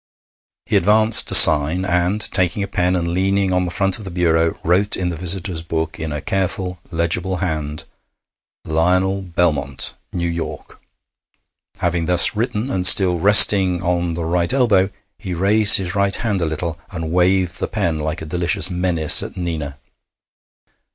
He advanced to sign, and, taking a pen and leaning on the front of the bureau, wrote in the visitor's book, in a careful, legible hand: 'Lionel Belmont, New York.' Having thus written, and still resting on the right elbow, he raised his right hand a little and waved the pen like a delicious menace at Nina.